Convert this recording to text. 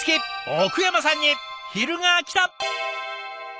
奥山さんに昼がきた！